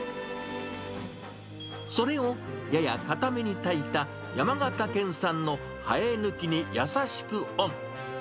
それをやや硬めに炊いた山形県産のはえぬきに優しくオン。